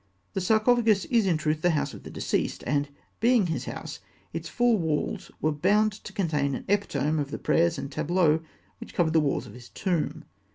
The sarcophagus is in truth the house of the deceased; and, being his house, its four walls were bound to contain an epitome of the prayers and tableaux which covered the walls of his tomb.